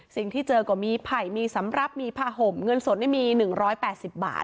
สิ่งที่เจอก็มีไผ่มีสำรับมีผ่าห่มเงินส่วนได้มี๑๘๐บาท